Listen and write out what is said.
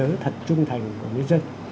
rất thật trung thành của người dân